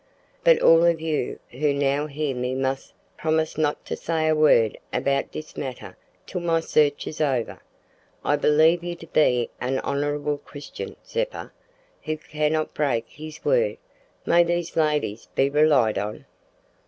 But all of you who now hear me mus' promise not to say a word about this matter till my search is over. I believe you to be an honourable Christian man, Zeppa, who cannot break his word; may these ladies be relied on?'